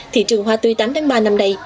thị trường hoa tươi tám tháng ba năm nay